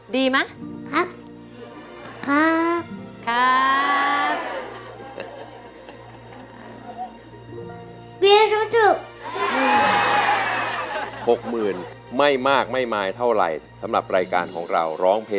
ดีไหมครับครับครับ